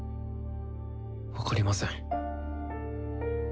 分かりません。